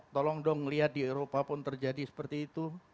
tolong dong lihat di eropa pun terjadi seperti itu